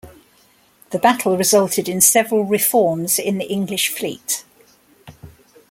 The battle resulted in several reforms in the English Fleet.